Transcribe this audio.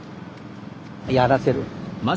やらせる。